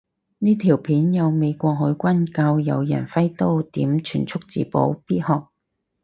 呢條片有美國海軍教有人揮刀點全速自保，必學